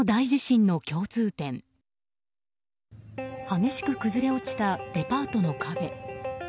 激しく崩れ落ちたデパートの壁。